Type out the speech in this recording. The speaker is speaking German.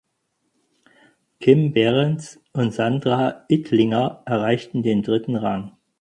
Kim Behrens und Sandra Ittlinger erreichten den dritten Rang.